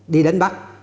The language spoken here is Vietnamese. đi đến bắc